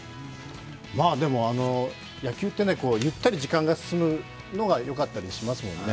でも野球ってゆったり時間が進むのがよかったりしますもんね。